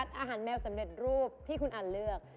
อาหารแมวสำเร็จรูปที่คุณอันเลือก